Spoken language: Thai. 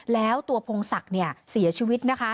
แล้วตัวพงศักดิ์เสียชีวิตนะคะ